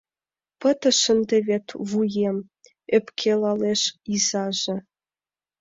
Пытыш ынде вет вуем», Ӧпкелалеш изаже.